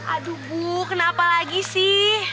aduh bu kenapa lagi sih